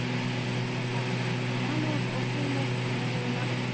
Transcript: また川の増水も進んでいます。